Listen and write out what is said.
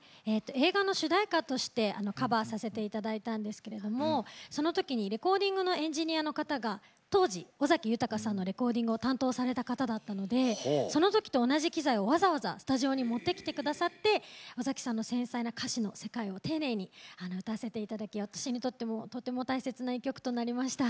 映画の主題歌としてカバーさせていただいたんですけれどもその時にレコーディングのエンジニアの方が当時尾崎豊さんのレコーディングを担当された方だったのでその時と同じ機材をわざわざスタジオに持ってきてくださって尾崎さんの繊細な歌詞の世界を丁寧に歌わせていただき私にとってもとても大切な一曲となりました。